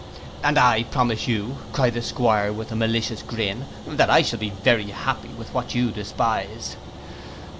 '—'And I promise you,' cried the 'Squire, with a malicious grin, 'that I shall be very happy with what you despise.